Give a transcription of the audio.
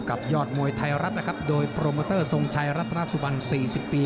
ยอดมวยไทยรัฐนะครับโดยโปรโมเตอร์ทรงชัยรัฐนาสุบัน๔๐ปี